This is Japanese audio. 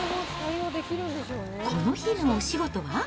この日のお仕事は。